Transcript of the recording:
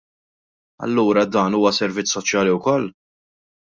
Allura dan huwa servizz soċjali wkoll?